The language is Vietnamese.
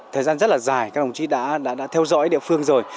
thời gian rất là dài các đồng chí đã theo dõi địa phương rồi